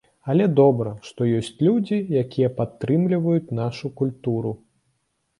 Але добра, што ёсць людзі, якія падтрымліваюць нашу культуру.